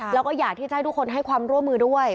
แล้วก็อยากที่จะให้ทุกคนให้ความร่วมมือด้วย